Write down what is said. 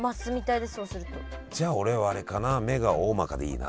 じゃあ俺はあれかな目がおおまかでいいな。